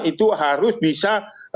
itu harus bisa